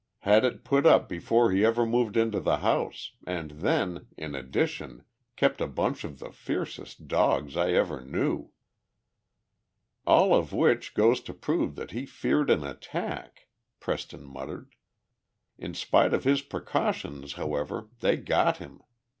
"Had it put up before he ever moved into the house, and then, in addition, kept a bunch of the fiercest dogs I ever knew." "All of which goes to prove that he feared an attack," Preston muttered. "In spite of his precautions, however, they got him!